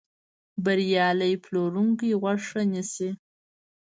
بریالی پلورونکی غوږ ښه نیسي.